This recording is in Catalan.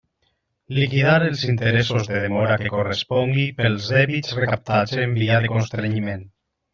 Liquidar els interessos de demora que correspongui pels dèbits recaptats en via de constrenyiment.